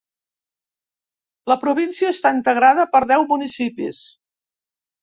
La província està integrada per deu municipis.